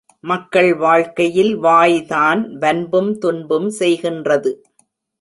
மக்கள் வாழ்க்கையில் வாய்தான் வன்பும் துன்பும் செய்கின்றது.